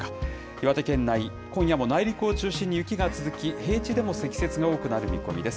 岩手県内、今夜も内陸を中心に雪が続き、平地でも積雪が多くなる見込みです。